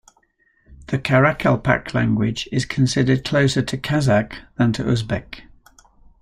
The Karakalpak language is considered closer to Kazakh than to Uzbek.